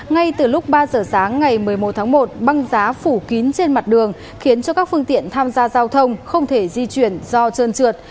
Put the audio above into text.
ngay từ lúc ba giờ sáng ngày một mươi một tháng một băng giá phủ kín trên mặt đường khiến cho các phương tiện tham gia giao thông không thể di chuyển do trơn trượt